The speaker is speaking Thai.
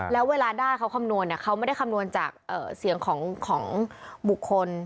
แล้วเวลาได้เขาคำนวณเขาไม่ได้คำนวณจากเสียงของบุคคล